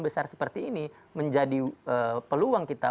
besar seperti ini menjadi peluang kita